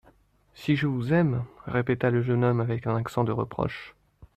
—«Si je vous aime !…» répéta le jeune homme avec un accent de reproche.